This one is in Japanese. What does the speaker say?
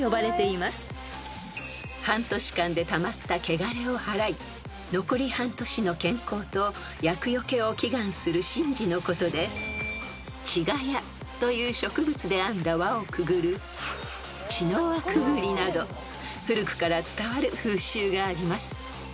［半年間でたまったけがれをはらい残り半年の健康と厄除けを祈願する神事のことでちがやという植物で編んだ輪をくぐる茅の輪くぐりなど古くから伝わる風習があります］